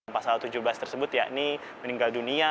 pasal tujuh belas tersebut yakni meninggal dunia